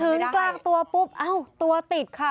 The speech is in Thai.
ถึงกลางตัวปุ๊บเอ้าตัวติดค่ะ